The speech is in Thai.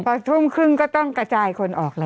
พอทุ่มครึ่งก็ต้องกระจายคนออกแล้ว